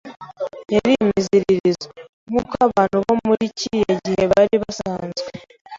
Yari imiziririzo, nk'uko abantu bo muri kiriya gihe bari basanzwe.